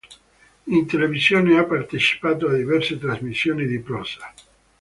In televisione ha partecipato a diverse trasmissioni di prosa.